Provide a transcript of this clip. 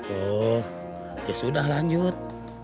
oh ya sudah lanjut